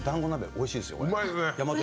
おいしいですよ。